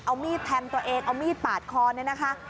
เอามีดแทงตัวเองเอามีดปาดคอเนี่ยนะคะ